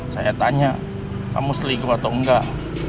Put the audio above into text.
saya tanya kamu selingkuh atau enggak